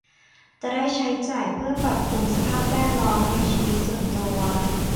จะได้ใช้จ่ายเพื่อปรับปรุงสภาพแวดล้อมในชีวิตส่วนตัว